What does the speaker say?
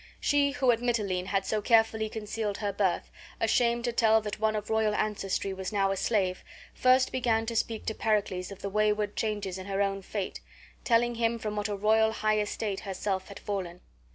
She, who at Mitylene had so carefully concealed her birth, ashamed to tell that one of royal ancestry was now a slave, first began to speak to Pericles of the wayward changes in her own fate, telling him from what a high estate herself had fallen.